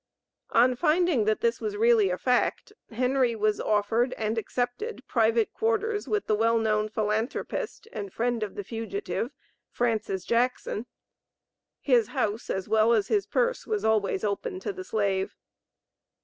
On finding that this was really a fact, Henry was offered and accepted private quarters with the well known philanthropist and friend of the fugitive, Francis Jackson. His house as well as his purse was always open to the slave.